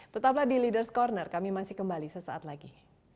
tetaplah di leaders' corner kami masih kembali sesaat lagi